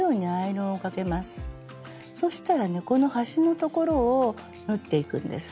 そしたらねこの端の所を縫っていくんです。